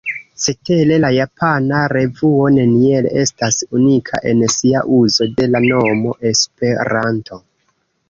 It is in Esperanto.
Cetere la japana revuo neniel estas unika en sia uzo de la nomo ”Esperanto”.